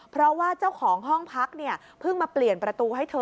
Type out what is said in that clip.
เพราะว่าเจ้าของห้องพักเนี่ยเพิ่งมาเปลี่ยนประตูให้เธอ